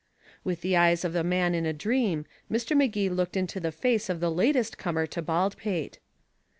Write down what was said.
With the eyes of a man in a dream Mr. Magee looked into the face of the latest comer to Baldpate.